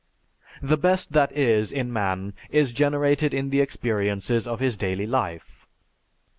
"_) The best that is in man is generated in the experiences of his daily life.